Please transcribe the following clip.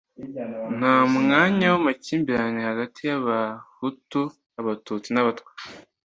nta mwanya w'amakimbirane hagati y'abahutu, abatutsi n'abatwa.